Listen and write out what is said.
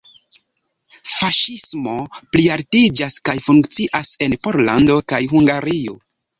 Faŝismo plialtiĝas kaj funkcias en Pollando kaj Hungario.